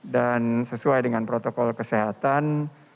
dan sesuai dengan protokol kesehatan